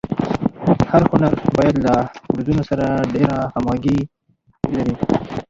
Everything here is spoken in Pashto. هر هنر باید له دودونو سره ډېره همږغي ولري.